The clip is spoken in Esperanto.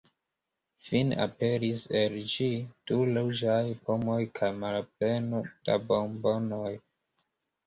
Fine aperis el ĝi du ruĝaj pomoj kaj manpleno da bombonoj.